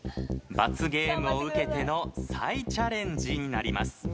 罰ゲームを受けての再チャレンジになります。